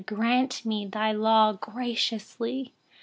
Grant me your law graciously!